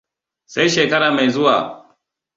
Sai shekara mai zuwa!